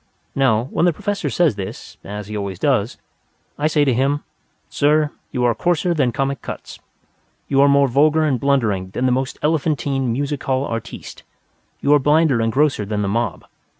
Now, when the Professor says this (as he always does), I say to him, "Sir, you are coarser than Comic Cuts. You are more vulgar and blundering than the most elephantine music hall artiste. You are blinder and grosser than the mob.